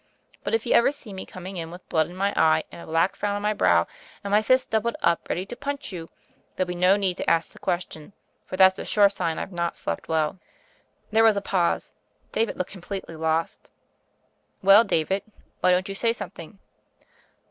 But if you ever see me coming in with blood in my eye, and a black frown on my brow, and my fists doubled up ready to punch you, there'll be no need to ask the question; for that's a sure sign I've not slept well." There was a pause : David looked completely lost. "Well, David, why don't you say some thing?"